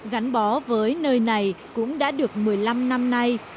gắn bó với nơi này cũng đã được một mươi năm năm nay